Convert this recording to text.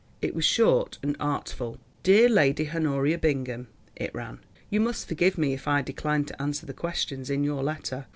It was short and artful. "DEAR LADY HONORIA BINGHAM," it ran, "you must forgive me if I decline to answer the questions in your letter.